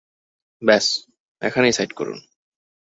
ব্যাস, এখানেই সাইড করুন।